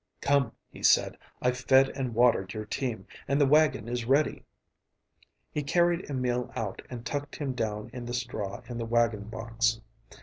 "Come," he said, "I've fed and watered your team, and the wagon is ready." He carried Emil out and tucked him down in the straw in the wagonbox.